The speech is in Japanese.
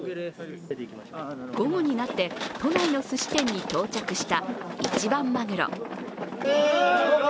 午後になって都内のすし店に到着した一番まぐろ。